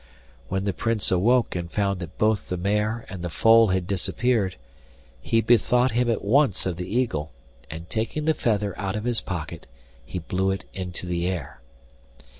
When the Prince awoke and found that both the mare and the foal had disappeared, he bethought him at once of the eagle, and taking the feather out of his pocket he blew it into the air.